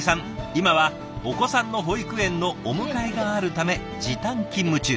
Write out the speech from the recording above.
今はお子さんの保育園のお迎えがあるため時短勤務中。